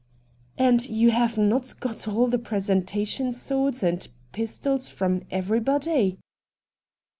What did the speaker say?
' And you have not got all the presenta tion swords and pistols from everybody